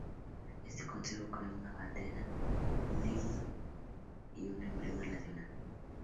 Este Consejo creó una bandera, un himno y un emblema nacional.